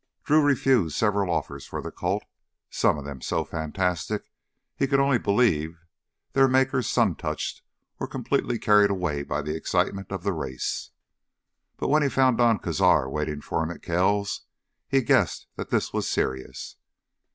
Drew refused several offers for the colt, some of them so fantastic he could only believe their makers sun touched or completely carried away by the excitement of the race. But when he found Don Cazar waiting for him at Kells', he guessed that this was serious.